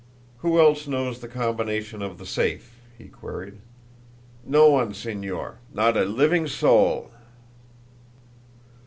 "Who else knows the combination of the safe?" he queried. "No one, Señor not a living soul."